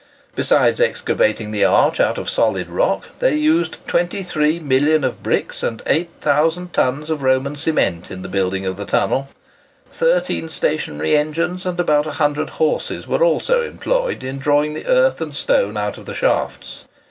Besides excavating the arch out of a solid rock, they used 23,000,000 of bricks, and 8000 tons of Roman cement in the building of the tunnel. Thirteen stationary engines, and about 100 horses, were also employed in drawing the earth and stone out of the shafts.